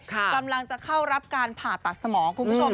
กำลังจะเข้ารับการผ่าตัดสมองคุณผู้ชม